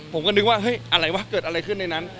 ผมก็นึกว่าเฮ้ยอะไรวะเกิดอะไรขึ้นในนั้น